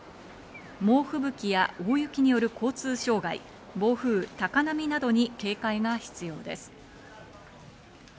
猛吹雪や大雪による交通障害、暴風高波などに警戒が必要です。